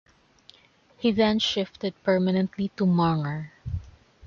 He then shifted permanently to Munger.